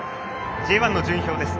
Ｊ１の順位表です。